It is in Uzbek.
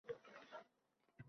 Adabiy kecha